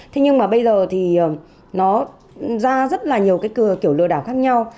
thế nhưng mà bây giờ thì nó ra rất là nhiều cái cửa kiểu lừa đảo khác nhau